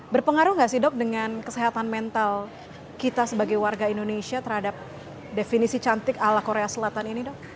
berpengaruh nggak sih dok dengan kesehatan mental kita sebagai warga indonesia terhadap definisi cantik ala korea selatan ini dok